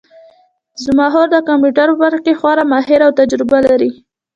زما خور د کمپیوټر په برخه کې خورا ماهره او تجربه لري